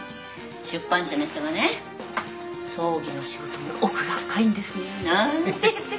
出版社の人がね「葬儀の仕事も奥が深いんですね」なんて言ってくれた。